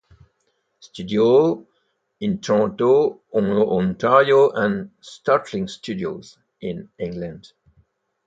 Studio" in Toronto, Ontario and "Startling Studios" in England.